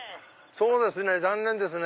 そうですね残念ですね。